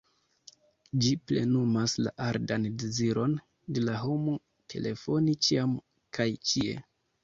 Ĝi plenumas la ardan deziron de la homo, telefoni ĉiam kaj ĉie.